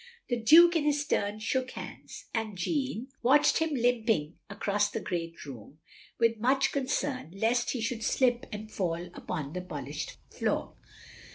The Duke in his turn shook hands, and Jeanne I02 THE LONELY LADY watched him limping away across the great room, with much concern lest he shotild sUp and fall upon the polishe^d floor.